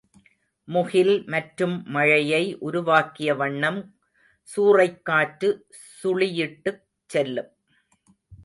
முகில் மற்றும் மழையை உருவாக்கிய வண்ணம் சூறைக்காற்று சுழியிட்டுச் செல்லும்.